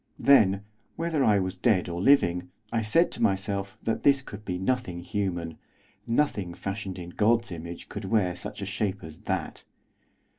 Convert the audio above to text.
Then, whether I was dead or living, I said to myself that this could be nothing human, nothing fashioned in God's image could wear such a shape as that.